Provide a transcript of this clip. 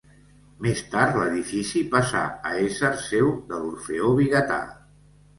Més tard l'edifici passà a ésser seu de l'orfeó Vigatà.